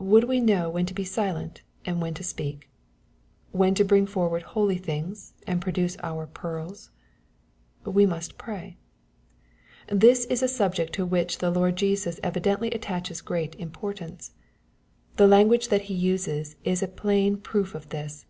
Would we know when to be " silent," and when to " speak,*' — when to bring forward " holy " things, and produce our " pearls ?" We must pray. This is a subject to which the Lord Jesus evidently attaches great importance. The language that He uses is a plain proof of this.